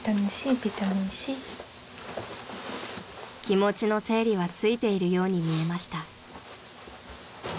［気持ちの整理はついているように見えました］